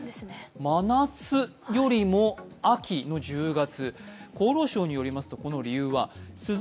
真夏よりも秋の１０月。